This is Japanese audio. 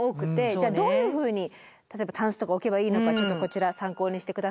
じゃあどういうふうに例えばタンスとか置けばいいのかちょっとこちら参考にして下さい。